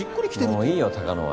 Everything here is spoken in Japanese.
もういいよ鷹野は。